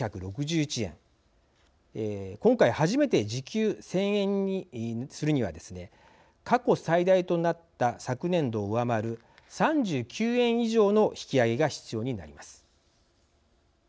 今回初めて時給１，０００円にするにはですね過去最大となった昨年度を上回る３９円以上の引き上げが必要になります。